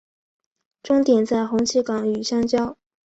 终点在红旗岗与相交。